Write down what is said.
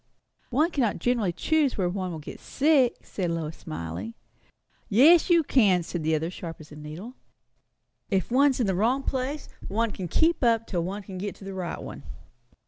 "One cannot generally choose where one will be sick," said Lois, smiling. "Yes, you can," said the other, as sharp as a needle. "If one's in the wrong place, one can keep up till one can get to the right one.